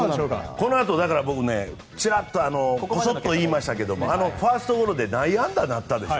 このあと、僕ちらっと言いましたけどファーストゴロで内野安打になったでしょ。